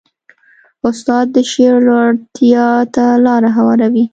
استاد د شعور لوړتیا ته لاره هواروي.